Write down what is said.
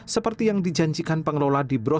seperti yang dijanjikan pengelola di bro